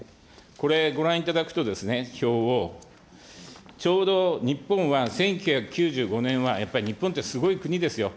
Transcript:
これ、ご覧いただくと、表を、ちょうど日本は１９９５年は、やっぱり日本ってすごい国ですよ。